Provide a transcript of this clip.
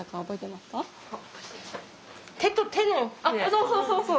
そうそうそうそう